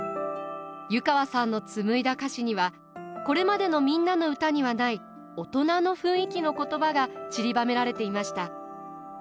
湯川さんの紡いだ歌詞にはこれまでの「みんなのうた」にはない大人の雰囲気の言葉が散りばめられていました。